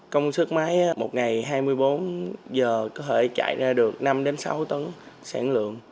công suất máy một ngày hai mươi bốn giờ có thể chạy ra được năm sáu tấn sản lượng